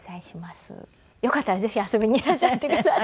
よかったらぜひ遊びにいらっしゃってください。